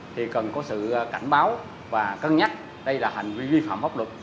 thì cần có sự cảnh báo và cân nhắc đây là hành vi vi phạm pháp luật